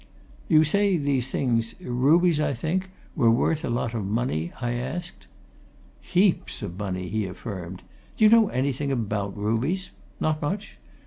"You say these things rubies, I think were worth a lot of money?" I asked. "Heaps of money!" he affirmed. "Do you know anything about rubies? Not much?